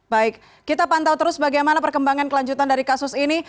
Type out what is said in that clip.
baik kita pantau terus bagaimana perkembangan kelanjutan dari kasus ini